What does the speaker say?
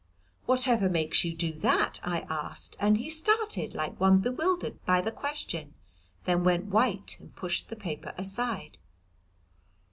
"Whatever makes you do that?" I asked, and he started like one bewildered by the question, then went white and pushed the paper aside.